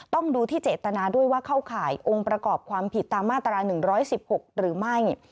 ต้องดูที่เจตนาด้วยว่าเข้าข่ายองค์ประกอบความผิดตามมาตรา๑๑๖หรือไม่